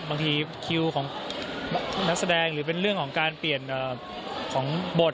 บางทีคิวของนักแสดงหรือเป็นเรื่องของการเปลี่ยนของบท